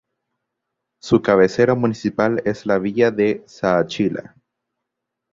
Su cabecera municipal es la Villa de Zaachila.